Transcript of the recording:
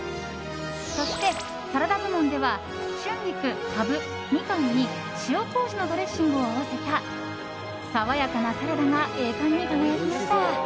そしてサラダ部門では春菊、カブ、ミカンに塩麹のドレッシングを合わせた爽やかなサラダが栄冠に輝きました。